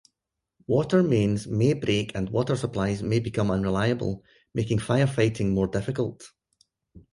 Water mains may break and water supplies may become unreliable, making firefighting more difficult.